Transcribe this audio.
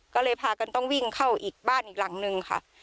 ก็เลยพากันต้องวิ่งเข้าอีกบ้านอีกหลังนึงค่ะ